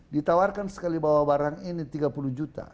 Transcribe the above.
ditawarkan sekali bawa barang ini tiga puluh juta